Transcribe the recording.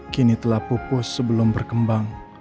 kini telah pupus sebelum berkembang